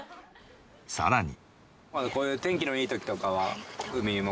さらに。